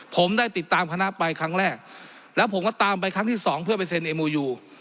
ผมได้ติดตามคณะไปครั้งแรกแล้วผมก็ตามไปครั้งที่สองเพื่อไปเซ็นเอโมยู